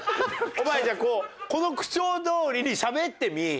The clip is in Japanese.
お前じゃあこうこの口調どおりにしゃべってみ？